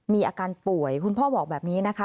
มีอาการป่วยคุณพ่อบอกแบบนี้นะคะ